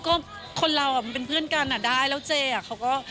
ก็คนเราอ่ะมันเป็นเพื่อนกันอ่ะได้แล้วเจอ่ะเขาก็